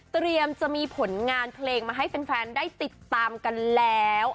จะมีผลงานเพลงมาให้แฟนได้ติดตามกันแล้ว